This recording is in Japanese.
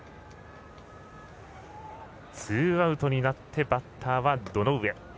ツーアウトになってバッターは堂上。